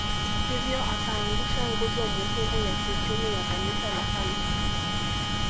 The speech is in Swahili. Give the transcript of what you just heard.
Hivyo akaangusha nguzo muhimu ya kiuchumi ya Kanisa la kale